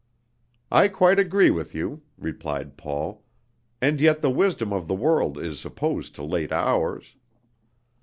"I quite agree with you," replied Paul, "and yet the wisdom of the world is opposed to late hours."